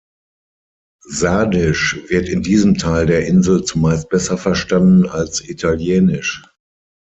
Sardisch wird in diesem Teil der Insel zumeist besser verstanden als Italienisch.